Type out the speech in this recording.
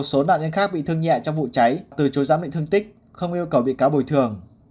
một số nạn nhân khác bị thương nhẹ trong vụ cháy từ chối giám định thương tích không yêu cầu bị cáo bồi thường